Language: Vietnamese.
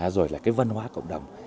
rồi văn hóa cộng đồng